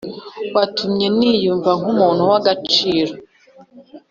watumye niyumva nk’umuntu w’agaciro